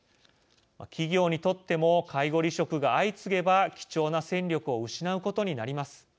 企業にとっても介護離職が相次げば貴重な戦力を失うことになります。